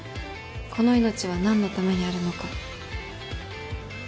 この命は何のためにあるのか。